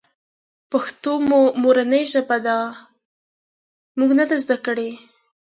پښتو مو مورنۍ ژبه ده مونږ ذده کــــــــړې نۀ ده